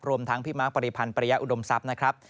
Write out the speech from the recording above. รวมทั้งพี่มาร์คปริพันธ์ปริยะอุดมทรัพย์นะครับ